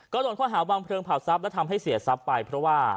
ก็โดนข้อหาวางเพลิงเผาทรัพย์และทำให้เสียทรัพย์ไปเพราะว่า